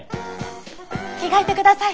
着替えてください。